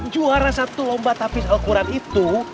juara satu lomba tapis al quran itu